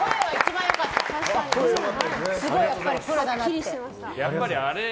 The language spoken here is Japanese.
すごい、やっぱりプロだなって。